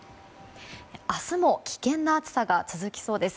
明日も危険な暑さが続きそうです。